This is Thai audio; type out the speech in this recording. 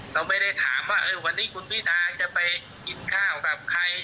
เราไม่ได้ถามว่าวันนี้คุณพิธาจะไปกินข้าวกับใคร